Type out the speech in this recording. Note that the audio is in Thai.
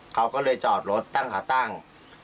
เขาก็เลยจอดรถตั้งขาตั้ง